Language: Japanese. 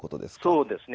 そうですね。